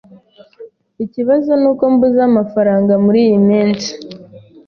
Ikibazo nuko mbuze amafaranga muriyi minsi.